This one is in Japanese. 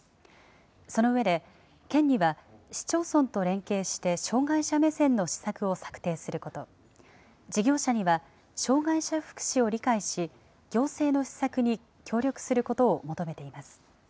その上で、県には市町村と連携して障害者目線の施策を策定すること、事業者には障害者福祉を理解し、行政の施策に協力することを求めています。